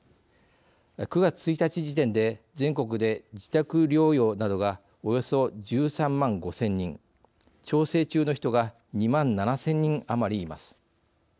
９月１日時点で全国で自宅療養などがおよそ１３万５０００人調整中の人が２万７０００人余りいます。